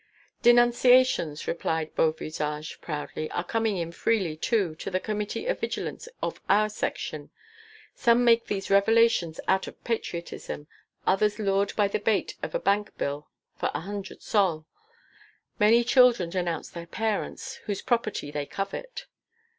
"Denunciations," replied Beauvisage proudly, "are coming in freely, too, to the Committee of Vigilance of our Section. Some make these revelations out of patriotism, others lured by the bait of a bank bill for a hundred sols. Many children denounce their parents, whose property they covet."